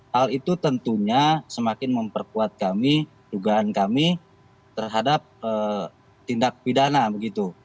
hal itu tentunya semakin memperkuat kami dugaan kami terhadap tindak pidana begitu